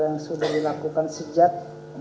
yang sudah dilakukan sejak